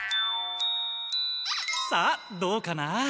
さあどうかな？